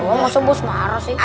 gak semuanya bersemara sih